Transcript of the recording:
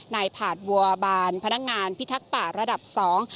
ผาดบัวบานพนักงานพิทักษ์ป่าระดับสอง